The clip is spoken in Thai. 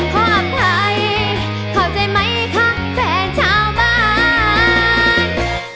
เพราะอัมไทยเข้าใจไหมคะแฟนชาวบ้าน